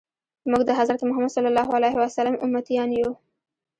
موږ د حضرت محمد صلی الله علیه وسلم امتیان یو.